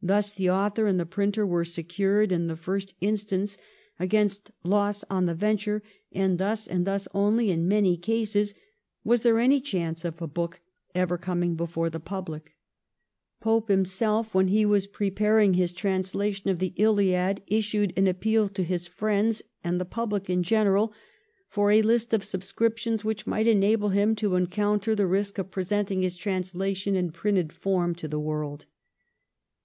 Thus the author and the printer were secured in the first instance against loss on the venture, and thus and thus only, in many cases, was there any chance of the book ever coming before the public. Pope him 1712 14 THE 'FARMING OUT' SYSTEM. 249 self, when he was preparing his translation of the ' Iliad/ issued an appeal to his friends and the public in general for a list of subscriptions which might enable him to encounter the risk of presenting his translation in printed form to the world.